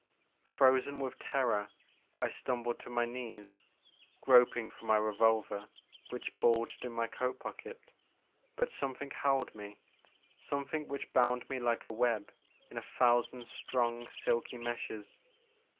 Frozen with terror I stumbled to my knees, groping for my revolver which bulged in my coat pocket ; but something held me — something which bound me like a web in a thousand strong silky meshes.